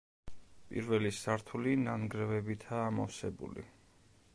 პირველი სართული ნანგრევებითაა ამოვსებული.